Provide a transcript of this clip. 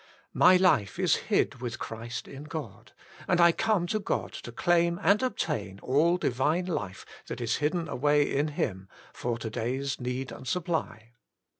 My life is hid with Christ in God and I come to God to. claim and obtain all Divine life that is hidden away in Him for to day^s need and supply.